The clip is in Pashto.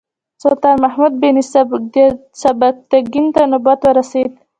سلطان محمود بن سبکتګین ته نوبت ورسېد.